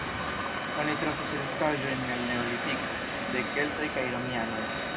Oni trovis restaĵojn el neolitiko, de keltoj kaj romianoj.